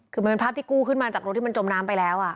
คือมันเป็นภาพที่กู้ขึ้นมาจากรถที่มันจมน้ำไปแล้ว